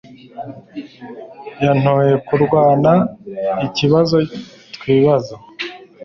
Yantoye kurwana ikibazo twibaza